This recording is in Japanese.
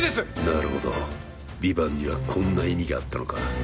なるほどヴィヴァンにはこんな意味があったのか